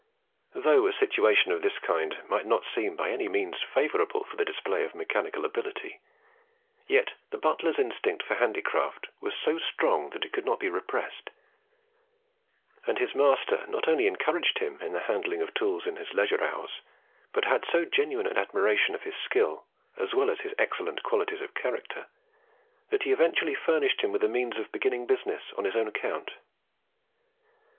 Though a situation of this kind might not seem by any means favourable for the display of mechanical ability, yet the butler's instinct for handicraft was so strong that it could not be repressed; and his master not only encouraged him in the handling of tools in his leisure hours, but had so genuine an admiration of his skill as well as his excellent qualities of character, that he eventually furnished him with the means of beginning business on his own account.